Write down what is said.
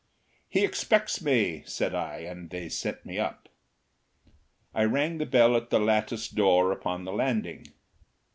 "He expects me," said I, and they sent me up. I rang the bell at the lattice door upon the landing.